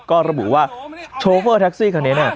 ก็ระบุว่าโชเฟอร์แท็กซี่คันนี้